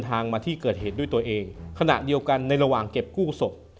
มาที่เกิดเหตุด้วยตัวเองขณะเดียวกันในระหว่างเก็บกู้ศพ